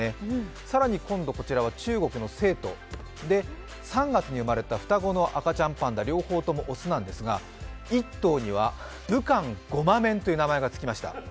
更に、中国の成都で、３月に生まれた双子の赤ちゃんパンダ、両方とも雄なんですが、１頭には武漢ゴマ麺という名前がつきました。